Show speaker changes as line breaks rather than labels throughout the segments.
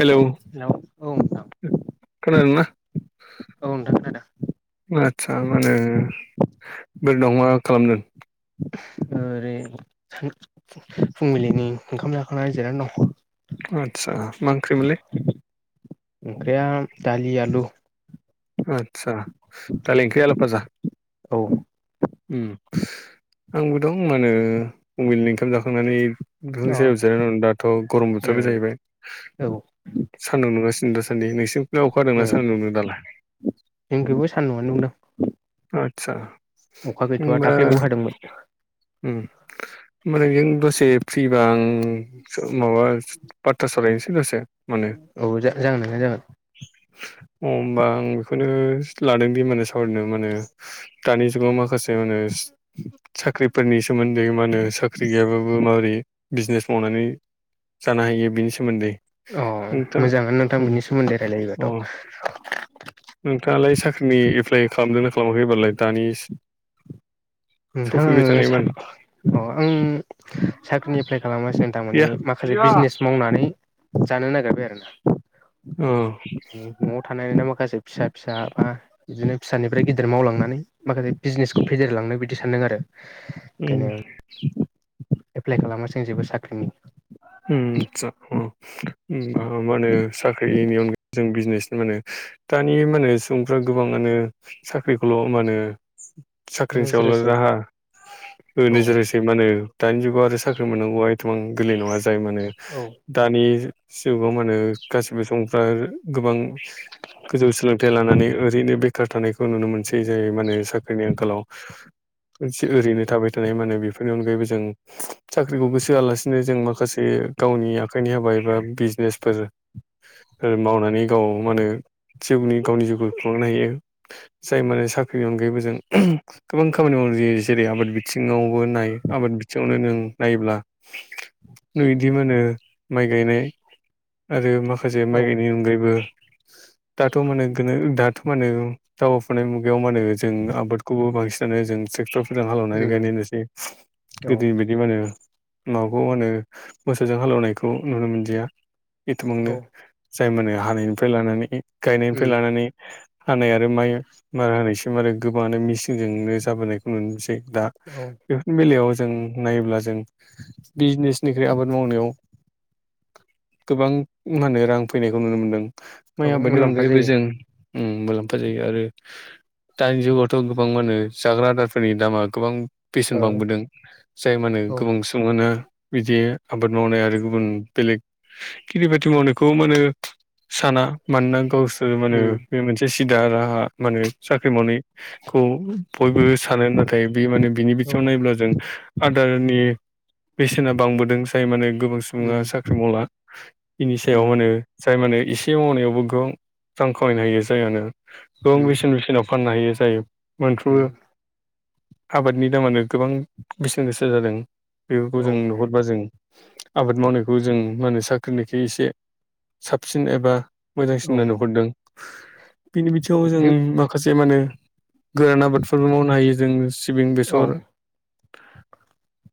हेल'
hello औ नोंथां
खोनादों ना?
औ नोंथां खोनादों।
आदसा मा होनो बेरनाव मा खालामदों?
ओरै फुंबिलिनि ओंखाम जाखांनानै जिरायना दं।
आदसा मा ओंख्रिमोनलाय?
ओंख्रिया दालि आलु।
आतसा दालि ओंख्रि आलु फाजा
औ।
उम आंबो दं मा होनो फुंबिलिनि ओंखाम जाखांनानै बिफां सायायाव जिरायनानै दाथ गरम
उम
बोथोरबो जाहैबाय।
औ
सान्दुं दुंगासिनो दासान्दि नोंसिनि अखा हादोंना सान्दुं दुंदों दालाय?
जोंखौबो सान्दुआनो दुंदों।
आदसा
अखा गैथ'वा
ओमबा
दाख्लैबाव हादोंमोन
उम ओमबालाय नों दसे फ्रिबा आं सो माबा बाथ्रा सावरायनोसै दसे माने
औ जागोन नोंथां जागोन।
अ होमबा आं बेखौनो सिथ्लादों बे माने सावरायनो माने दानि जुगाव माखासे मा होनो साख्रिफोरनि सोमोन्दै मा होनो साख्रि गैयाबाबो माबोरै बिजनेस मावनानै जानो हायो बेनि सोमोन्दै
अ
नोंथां
मोजाङानो नोंथां
अ
बिनि सोमोन्दै
अ
रायलायोबाथ'
नोंथाङालाय साख्रि नि एप्लाइ खालामदोंना खालामाखैबालाय एबारलाय दानि
नोंथां
सफैबाय
आङो
थानाय मान
सान अ आं साख्रिनि एप्लाय खालामगासिनो थारमानानि
गैया
माखासे
गैया
बिजनेस मावनानै जानो नागिरबाय आरोना‌।
अ
न‌ न'आव थानायानो माखासे फिसा फिसा बा बिदिनो फिसानिफ्राय गिदिर मावलांनानै माखासे बिजनेसखौ फेदेरलांनो बिदि दि सानदों आरो।
उम।
ओंखायनो एप्लाइ खालामासै आं जेबो साख्रिनि
उम आतसा अ उम आं उम मा होनो साख्रिनि अनगायै जों बिजनेस मा‌ होनो दानि मा होनो सुबुंफ्रा गोबाङानो साख्रिखौल' मा होनो साख्रिनि सायावल'
नोजोरसै
राहा
औ
होनो जेरैसै मा होनो दानि जुगाव आरो साख्रि मोननांगौआ एसेबां गोरलै नङा जाय मानो
औ
दानि जुगाव माहोनो गासिबो सुबुंफ्रा गोबां गोजौ सोलोंथाइ लानानै ओरैनो बे खार थानायखौ नुनो मोनसै जाय माने साख्रिनि आंखालाव ओनसि ओरैनो थाबाय थानाय माने बेफोरनि अनगायैबो जों साख्रिखौ गोसो होआलासिनो जों माखासे बे गावनि आखाइनि हाबा एबा बिजनेसफोर मावनानै गाव मा होनो जिउनि गावनि जिउखौ खुंलांनो हायो जाय माने साख्रिनि अनगायैबो जों गोबां खामानि माव - ओं जे जेरै आबाद बिथिङावबो नाय आबाद बिथिङावनो नों नायोब्ला नैदि मोनो माइ गायनाय आरो माखासे
औ
माइ गायनायनि अनगायैबो दाथ' माननो दाथ' मानो दावाफुनाय मुगायाव मा होनो जों आबादखौबो बांसिनानो जों ट्रेक्टर सोरदां हालेवनानै
उम
गायनायनोसै
औ
गोदो बायदि मा होनो माबाखौ मा होनो मोसौजों हालेवनायखौ नुनो मोनदिया एथबांनो
औ
दायमानो हानायनिफ्राय लानानै गायनायनिफ्राय
उम
लानानै हानाय आरो माइ मारा हानायसिम आरो गोबाङानो मेचिनजोंनो जाबोनायखौ नुनो मोनसै दा
औ
बेफोरनि बेलायाव जों नायोब्ला जों बिजनेस बिनिख्रुइ आबाद मावनायाव गोबां मा होनो रां फैनायखौ नुनो मोन्दों माइ
औ
आबादनि
मुलाम्फा
अनगायैबो
जायो
जों मुलाम्फा जायो आरो दानि जुगावथ' गोबां मानो जाग्रा आदारफोरनि दामा गोबां बेसेन
ओ
बांबोदों जाय मानो
औ
गोबां सुबुंआनो बिदि आबाद मावनाय आरो गुबुन बेलेग खेथि बाथि मावनायखौ मा होनो साना मानोना गावसोर माने
उम
बे मोनसे सिदा राहा माने साख्रि मावनाय खौ बयबो सानो नाथाय बे माने बिनि
औ
बिथिङाव नायोब्ला जों आदार नि बेसेना बांबोदों जाय मानो गोबां सुबुङा
उम
साख्रि मावला बेनि सायाव
उम
मानो जाय माने एसे मावनायावबो गोबां रां खामायनो हायो जायानो गोबां
उम
बेसेन बेसेना फाननो हायो जायो
उम
मोनफ्रोमबो आबादनि दामानो गोबां बेसेन गोसा जादों बेफोरखौ
औ
जों नुहरबा जों आबाद मावनायखौ जों मा होनो साख्रिनिखै एसे साबसिन एबा
औ
मोजांसिन नुहुरदों बिनि बिथिङाव जों माखासे मा होनो गोरान आबादफोरबो मावनो हायो जों सिबिं
औ
बेसर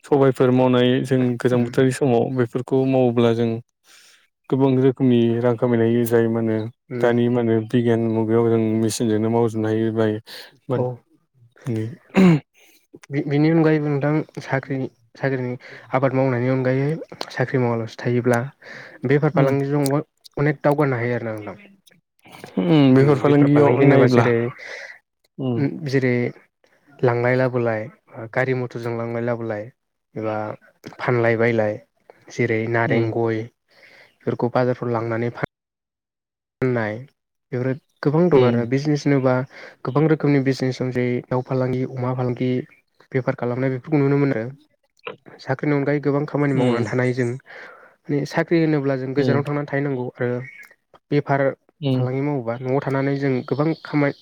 सबायफोर माव नानै जों गोजां
उम
बोथोरनि समाव बेफोर खौ मावोब्ला जों गोबां रोखोमनि रां खामायनाय हायो जायोमोन नों
उम
दानि मानो बिगियान मुगायाव जों मेसिनजोंनो मावजोबनो हायो बाय
औ बिनि
[unintelligible]
अनगायैबो नोंथां साख्रि साख्रिनि आबाद मावनायनि अनगायै साख्रि मावालासिनो थायोब्ला बेफार फालांगिजोंबो अनेक दावगानो हायो आरोना नोंथां
उम बेफार
ओम बेफोर फालांगि
फालांगियाव
होनोबा
नायोब्ला
जेरै'
उम
ओम जेरै' लांलाय लाबोलाय गारि मथरजों लांलाय लाबोलाय एबा फानलाय बायलाय जेरै नारें
उम
गय बेफोरखौ बाजारफ्राव लांनानै फा फाननाय बेफोर गोबां दं आरो
उम
बिजनेस होनोबा गोबां रोखोमनि बिजनेस जेरै' दाउ फालांगि अमा फालांगि बेफार खालामनाय बेफोरखौ नुनो मोनो आरो साख्रिनि अनगायै गोबां खामानि मावनानै
उम
थानाय जों मे साख्रि होनोब्ला जों
उम
गोजानाव थांनानै थाहैनांगौ रो बेफार
उम
फालांगि मावोबा न'आव थानानै जों गोबां खामाय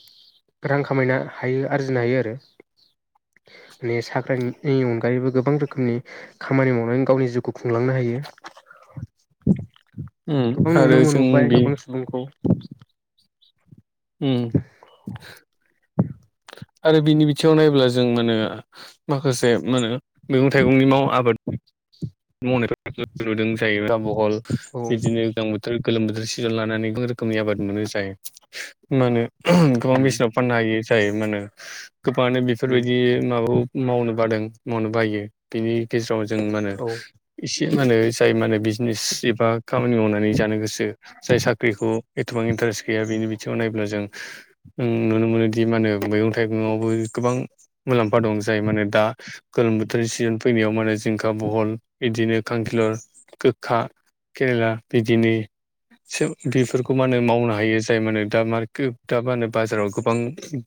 रां खामायनो हायो आरजिनो हायो आरो
[inaudible]
[unintelligible] हायोबा गोबां रोखोमनि खामानि मावनानै गावनि जिउखौ खुंलांनो हायो।
उम
गोबां नुनो
आरो जों
मोनबोबाय
बे
गोबां सुबुंखौ।
उम। आरो बिनि बिथिङाव नायोब्ला जों मानो माखासे मा होनो मैगं थाइगंनि माव आबाद [unintelligible] थोर गोलोम
औ
बोथोर सिजन लानानै गोनां रोखोमनि आबाद मोनो जाय मा होनो? गोबां मेसेनाव फाननो हायो जाय मा होनो गोबाङानो बेफोरबायदि माबाखौ मावनो बादों, मावनो बायो, बिनि गेजेराव जों मा होनो
औ।
थि मा होनो जाय माहोनो बिजनेस एबा खामानि मावनानै जानो गोसो, जाय साख्रिखौ एथ'बां इन्टारेस्ट गैया बिनि बिथिङाव नायोब्ला जों नुनो मोनोदि मा होनो मैगं थाइगङावबो गोबां मुलाम्फा दं। जाय माने दा गोलोम बोथोरनि सिजोन फैनायाव माने जिंखा, बहल बिदिनो खांखिलर गोख्खा केरेला बिदिनो सो बेफोरखौ मा होनो मावनो हायो जाय मानो दामारको दा मा होनो बाजाराव गोबां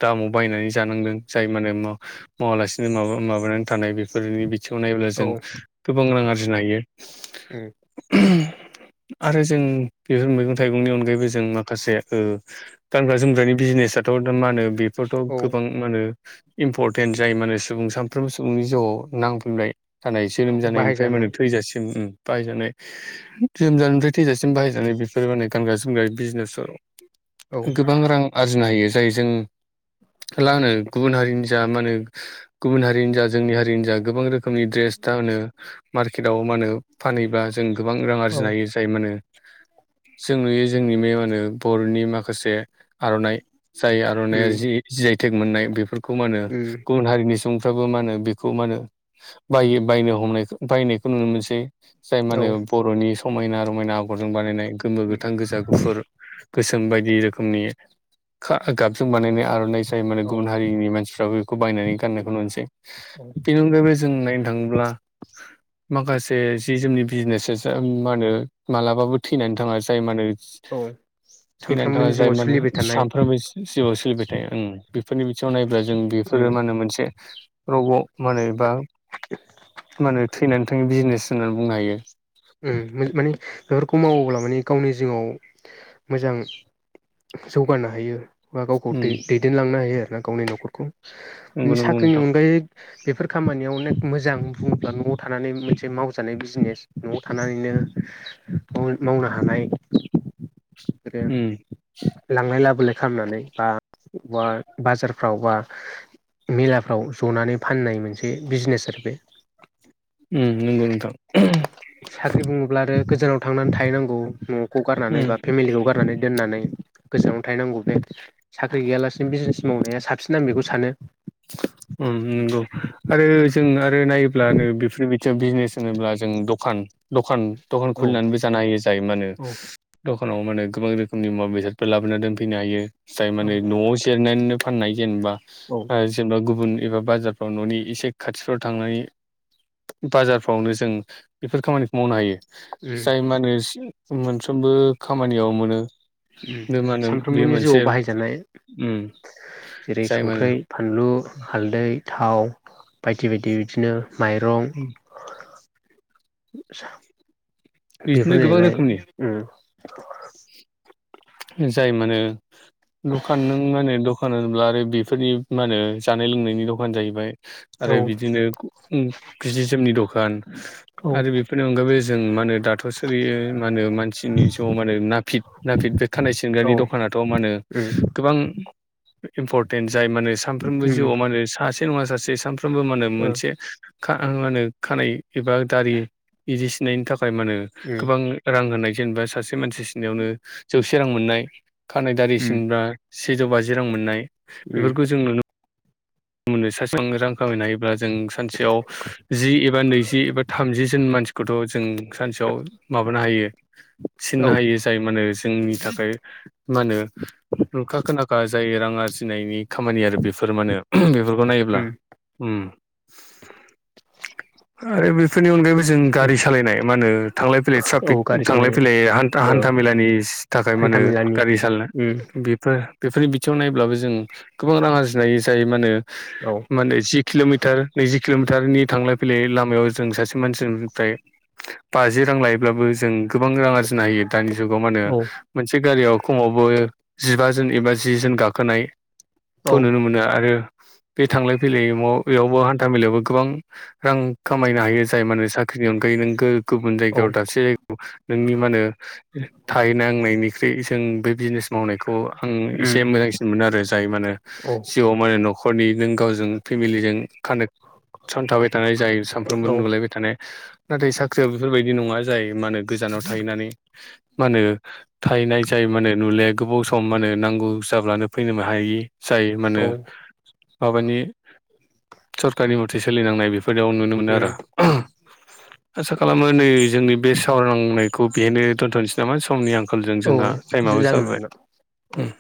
दाम माव बायनानै जानांदों। जाय मानो मा-मावालासिनो माबा-माबानानै थानाय बेफोरनि बिथिङाव नायोब्ला
औ
जों गोबां रां आरजिनो हायो। आरो जों बेफोर मैगं थाइगंनि अनगायैबो जों माखासे गानग्रा जोमग्रानि बिजिनेस दाथ' दा मा होनो बेफोरथ'
औ
गोबां मा होनो इम्परटेन्ट जाय मानो सुबुं साफ्रोमबो सुबुंनि जिउआव नांफिनबाय थानाय। जोनोम जानायनिफ्राय माने
बाहायजानाय
थैजासिम ओम। बाहायजानाय, जोनोम जानायनिफ्राय थैजासिम बाहायजानाय बेफोर माने गानग्रा जोमग्रा बिजनेसफोराव।
औ
गोबां रां आरजिनो हायो। जाय जों लानो गुबुन हारिनि जा मा होनो गुबुन हारिनि जा जोंनि हारिनि जा गोबां रोखोमनि ड्रेस मार्केटआव मा होनो फानहैबा जों गोबां रां
औ
आरजिनो हायो जाय मा होनो जों नुयो जोंनि बे मा होनो बर'नि माखासे आर'नाइ, जाय आर'नाइया जि जि आइ थेक मोननाय बेफोरखौ मा होनो गुबुन हारिनि बुंफ्राबो मा होनो बेखौ मा होनो बायो बायनो हमनायखौ बायनायखौ नुनो मोनसै। जाय मा होनो बर'नि समायना रमायना आगरजों बानायनाय गोमो, गोथां, गोजा, गुफुर, गोसोम बायदि रोखोमनि खा गाबजों बानायनाय आर'नाइ माने
औ
गुबुन हारिनि मानसिफ्राबो बेखौ बायनानै गाननायखौ नुनोनसै। बेनि अनगायैबो जों [unintelligible] माखासे जि जोमनि बिजनेसासा मा होनो मालाबाबो थैनानै थाङा जाय मा होनो
औ।
थैनानै थाङा
सानफ्रोमबोनि
जाय
जिउआव
मानो
सोलिबाय थानाय
सानफ्रोमबो जि-जिउआव सोलिबाय थायो ओं। बेफोरनि बिथिङाव नायोब्ला जों बे फोरो मा होनो मोनसे रग' मा होनो एबा मानो थैनानै थाङो बिजनेस होननानै बुंनो हायो।
ओम माने बेफोरखौ मावोब्ला माने गावनि जिउआव मोजां जौगानो हायो। बा गावखौ
उम
दै-दैदेनलांनो हायो आरो ना गावनि न'खरखौ। बे
नंगौ नंगौ
साख्रिनि
नोंथां
अनगायै बेफोर खामानियावनो मोजां बुङोब्ला न'आव थानानै मोनसे मावजानाय बिजिनेस। न'आव थानानैनो मावनो हानाय। बेफोरो
उम
लांलाय लाबोलाय खालामनानै बा बुवा बाजारफ्राव बा मेलाफ्राव जनानै फाननाय मोनसे बिजनेस आरो बे।
उम नोंंगौ नोंथां।
साख्रि बुङोब्ला आरो गोजानाव थांनानै थाहैनांगौ न'खौ गारनानै
उम
बा फेमिलिखौ गारनानै दोननानै। गोजानाव थाहैनांगौ बे साख्रि गैयालासिनो बिजनेस मावनाया साबसिन आं बेखौ सानो
उम नंगौ आरो जों आरो नायोब्लानो बेफोरनिफाय बिजिनेस होनोब्ला जों द'खान
औ
खुलिनानै बो जानोहायो
औ
दखानाव माने गोबां रोखोमनि मुवा बेसादफोर लाबोनानै दोनफैनो हायो। जाय
औ
माने न'आव जेरनानै फाननाय जेनबा
औ।
हाय जेनेबा गुबुन एबा बाजारफ्राव न'नि एसे खाथिफ्राव थांनानै बाजारफ्रावनो जों बेफोर खामानिखौ मावनो हायो। जाय मानो सि मोनफ्रोमबो खामानियाव मोनो बे मा होनो बे
सानफ्रोमबोनि जिउआव
मोनसे
बाहायजानाय
उम
जेरै'
जाय मा
संख्र्रि फान बानलु हाल्दै थाव बायदि बायदि बिदिनो माइरं
होनो बिदिनो
बेफोरनो
गोबां रोखोमनि
जाहैबाय,
[unintelligible] जाय माने दखान नों माने दखान होनोब्ला आरो बेफोरनि मा होनो जा -नाय लोंनायनि दखान जाहैबाय। आरो
औ
बिदिनो जि जोमनि दखान
औ
आरो बेफोरनि अनगायै- जों मा होनो दाथ' सोलियो मा होनो मानसिनि ज' मान आरो ना। नाफिटफोर बे खानाय
औ
सिनग्रानि दखानथ मा होनो
उम
गोबां इम्परटेन्ट। जाय माने सानफ्रोमबो
उम
जिउआव माने सासे नङा सासे सानफ्रोमबो माने
ओ
मोनसे खानाय एबा दारि बिदि सिननायनि थाखाय थाखाय मा होनो
उम
गोबां रां होनाय जेनेबा सासे मानसिनियावनो जौसे रां मोननाय। खानाय
उम
दारिसिनब्ला सेजौ बाजि रां मोननाय
उम
बेफोरखौ जों नुनो मोनो मोननो सै। जों रां खामायनो हायोब्ला जों सानसेयाव जि एबा नैजि एबा थामजि जन मानसिखौ। खौथ' जों सानसेयाव माबानो हायो
औ
सिनो हायो जाय मा होनो जोंनि थाखाय मा होनो नुखा खोनाखा। ओ जाय रां आरजिनायनि खामानि आरो बेफोर माने बेफोरखौ नायोब्ला
उम
ओम। [inaudible] आरो बेफोरनि अनगायैबो जों गारि सालायनाय मा होनो थांलाय फैलाय
औ
ट्राफिक
गारि
थांलाय
सालायनो
फैलाय।
ओ
हान्था मेलानि थाखाय मा होनो
हान्थामेलानि
गारि सालायनाय
उम
बेफोर। बेफोरनि बिथिङाव नायब्लाबो जों गोबां रां आरजिनो हायो जाय मा होनो
औ
माने जि किल'मिटार नैजि। किल'मिटारनि थांलाय फैलाय लामायाव जों सासे मानसिनिफ्राय। बाजि रां लायोब्लाबो जों गोबां रां आरजिनो हायो दानि जुगाव मा होनो
औ
मोनसे गारियाव खमावबो जिबाजोन एबा जि जोन
औ
गाखोनायखौ नुनो मोनो आरो। आरो बे थांलाय फैलाय बेयावबो हान्था मेलायावबो गोबां रां खामायनो हायो जाय माने साख्रिनि अनगायै नों गो गुबुन
औ
जायगायाव दासे जायगायाव नोंनि मा होनो थाहै [unintelligible] नांनायनिख्रुइ जों बे बिजनेस मावनायखौ आं
उम
एसे मोजांसिन मोनो आरो जाय माहोनो
औ
जिउआव। माने नखरनि नों गावजों फेमिलिजों। कानेकसन थाबाय थानाय जायो सानफ्रोमबो
औ
नुलायबाय थानाय नाथाय साख्रिया बेफोरबायदि नङा जाय मा होनो गोजानाव थाहैनानै मा होनो थाहैनाय जाय माने नुलाया गोबाव सम माने। नांगौ जाब्लानो फैनो हायि जायो माेनो।
औ
माबानि सरकारनि मथे सोलिनांनाय बेफोरयाव नुनो मोनो
उम
आरो। आसा खालामो नै जोंनि बे सावरायलांनायखौ बेहायनो दोनथ'नोसै नामा समनि आंखा आखालजों
औ
जोंहा टाइमाबो
जागोन
जाबाय
नोंथां औ
ओम।